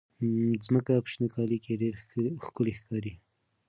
مځکه په شنه کالي کې ډېره ښکلې ښکاري.